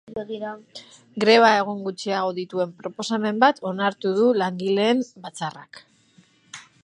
Greba egun gutxiago dituen proposamen bat onartu du langileen batzarrak.